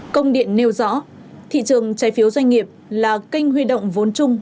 công điện nêu rõ thị trường trái phiếu doanh nghiệp là kênh huy động vốn chung